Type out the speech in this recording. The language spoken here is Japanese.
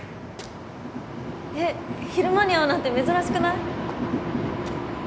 えっ昼間に会うなんて珍しくない？